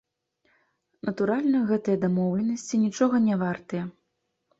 Натуральна, гэтыя дамоўленасці нічога не вартыя.